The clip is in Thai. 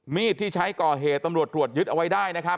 มีดที่ใช้ก่อเหตุตำรวจตรวจยึดเอาไว้ได้นะครับ